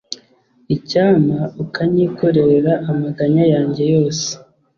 Icyampa ukanyikorera amaganya yanjye yose